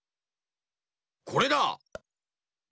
これだ！